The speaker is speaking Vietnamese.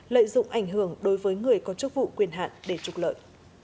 lợi dụng ảnh hưởng đối với người có chức vụ quyền hạn để trục lợi